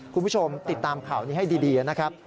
คุณผู้ชมติดตามข่าวนี้ให้ดีนะครับ